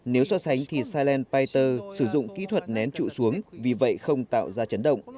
nếu so sánh thì silent piter sử dụng kỹ thuật nén trụ xuống vì vậy không tạo ra trấn động